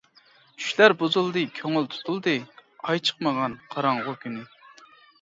چۈشلەر بۇزۇلدى كۆڭۈل تۇتۇلدى، ئاي چىقمىغان قاراڭغۇ تۈنى.